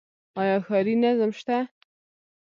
آیا ښاري نظم شته؟